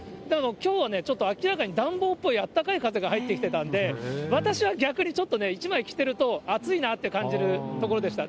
きょうはね、ちょっと明らかに暖房っぽいあったかい風が入って来てたんで、私は逆にちょっとね、１枚着てると暑いなって感じるところでした。